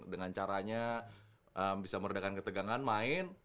dengan caranya bisa meredakan ketegangan main